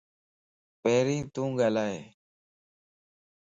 پھرين تون ڳالھائي